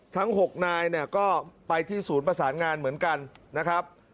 ทั้ง๖นายเนี่ยก็ไปที่ศูนย์ประสานงานเหมือนกันนะครับ